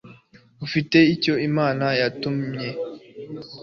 ufite icyo imana yamutumye